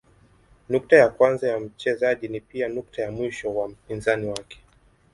Nukta ya kwanza ya mchezaji ni pia nukta ya mwisho wa mpinzani wake.